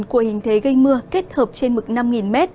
của hình thế gây mưa kết hợp trên mực năm m